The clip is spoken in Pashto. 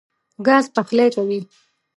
ګاز پخلی کوي.